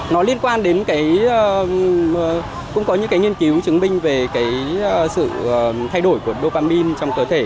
nó liên quan đến cũng có những nghiên cứu chứng minh về sự thay đổi của dopamine trong cơ thể